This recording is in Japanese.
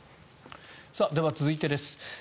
では、続いてです。